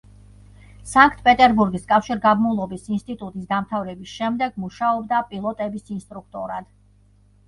სანქტ-პეტერბურგის კავშირგაბმულობის ინსტიტუტის დამთავრების შემდეგ მუშაობდა პილოტების ინსტრუქტორად.